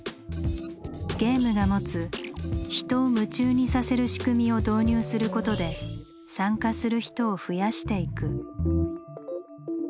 ゲームが持つ「人を夢中にさせる仕組み」を導入することで参加する人を増やしていく。